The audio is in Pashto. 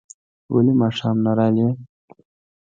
ولي ماښام نه راغلې؟